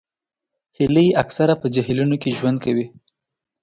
هیلۍ اکثره په جهیلونو کې ژوند کوي